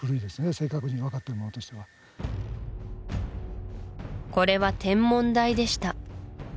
正確に分かってるものとしてはこれは天文台でした